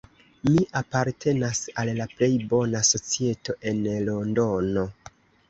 Mi apartenas al la plej bona societo en Londono.